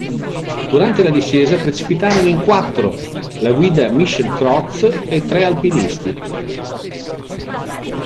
Durante la discesa precipitarono in quattro: la guida Michel Croz e tre alpinisti.